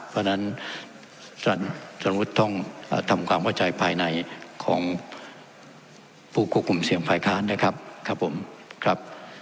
เพราะฉะนั้นสนุกจรรมต้องทำความเข้าใจภายในของภูมิคุมเสี่ยงฝ่ายค้ำนะครับ